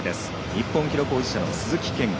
日本記録保持者の鈴木健吾。